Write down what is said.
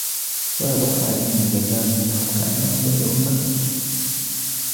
ويطوف عليهم غلمان لهم كأنهم لؤلؤ مكنون